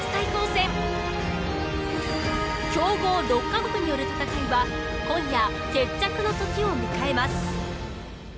強豪６カ国による戦いは今夜決着の時を迎えます。